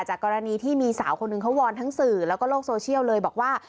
กรณีที่มีสาวคนหนึ่งเขาวอนทั้งสื่อแล้วก็โลกโซเชียลเลยบอกว่า